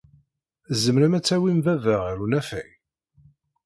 Tzemrem ad tawim baba ɣer unafag?